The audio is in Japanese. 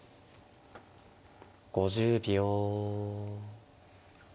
５０秒。